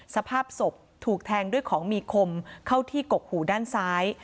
สภาพศพถูกแทงด้วยของมีคมเข้าที่กกหูด้านซ้าย